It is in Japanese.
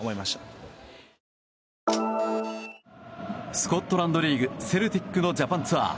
スコットランドリーグセルティックのジャパンツアー。